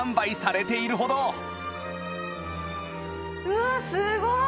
うわすごっ！